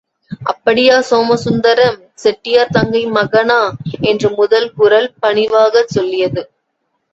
அப்படியா சோமசுந்தரம் செட்டியார் தங்கை மகனா என்று முதல் குரல் பணிவாகச் சொல்லியது.